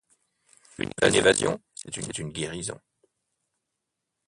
Une évasion, c'est une guérison.